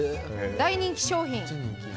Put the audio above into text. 大人気商品。